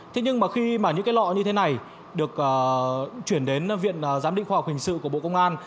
thế nhưng mà khi mà những cái lọ như thế này được chuyển đến viện giám định khoa học hình sự của bộ công an